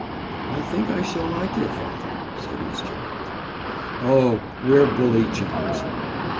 "I think I shall like your father," said Miss Gerald. "Oh, we're bully chums!"